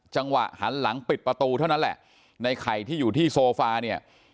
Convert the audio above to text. จังหวะหันหลังปิดประตูเท่านั้นแหละในไข่ที่อยู่ที่โซฟาเนี่ย